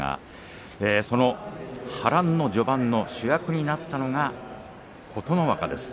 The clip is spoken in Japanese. その波乱の序盤の主役になったのが琴ノ若です。